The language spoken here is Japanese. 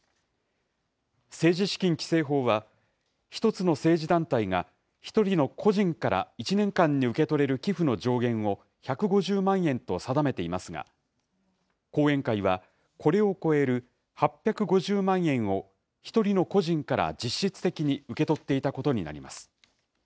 政治資金規正法は、１つの政治団体が１人の個人から１年間に受け取れる寄付の上限を１５０万円と定めていますが、後援会はこれを超える８５０万円を１人の個人から実質的に受け取っていたことになります。